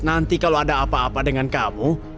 nanti kalau ada apa apa dengan kamu